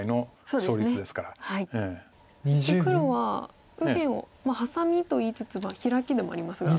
そして黒は右辺をハサミといいつつヒラキでもありますが。